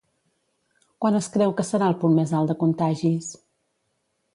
Quan es creu que serà el punt més alt de contagis?